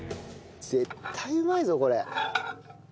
絶対うまいぞこれ。